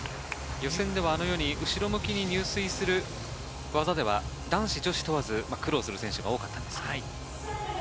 予選ではあのように、後ろ向きに入水する技では男子女子問わず、苦労する選手が多かったです。